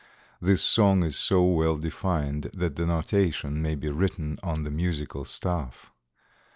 This song is so well defined that the notation may be written on the musical staff.